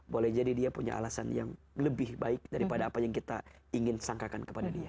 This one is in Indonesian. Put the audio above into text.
boleh jadi dia punya alasan yang lebih baik daripada apa yang kita ingin sangkakan kepada dia